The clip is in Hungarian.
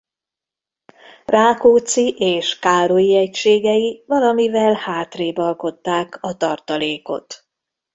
Rákóczi és Károlyi egységei valamivel hátrébb alkották a tartalékot.